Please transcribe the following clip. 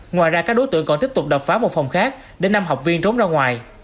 ngoài ra các đối tượng còn tiếp tục đập phá một phòng khác để năm học viên trốn ra ngoài